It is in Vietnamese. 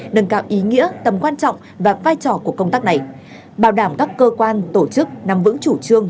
nâng cao ý nghĩa tầm quan trọng và vai trò của công tác này bảo đảm các cơ quan tổ chức nắm vững chủ trương